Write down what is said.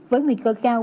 với nguy cơ cao